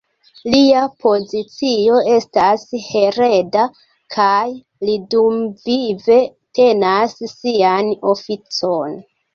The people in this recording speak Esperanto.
Lia pozicio estas hereda, kaj li dumvive tenas sian oficon.